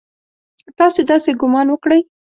تاسې داسې ګومان وکړئ!